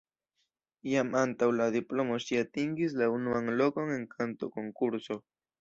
Jam antaŭ la diplomo ŝi atingis la unuan lokon en kantokonkurso.